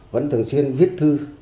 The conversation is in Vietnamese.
vẫn thường xuyên viết thư